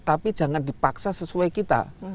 tapi jangan dipaksa sesuai kita